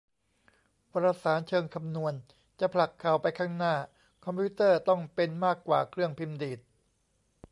วารสารศาสตร์เชิงคำนวณ : จะผลักข่าวไปข้างหน้า คอมพิวเตอร์ต้องเป็นมากกว่าเครื่องพิมพ์ดีด